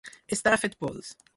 Estar fet pols.